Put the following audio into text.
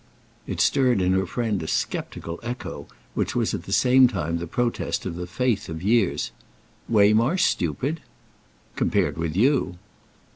It stirred in her friend a sceptical echo which was at the same time the protest of the faith of years. "Waymarsh stupid?" "Compared with you."